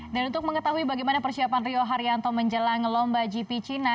dan untuk mengetahui bagaimana persiapan rio haryanto menjelang lomba gp cina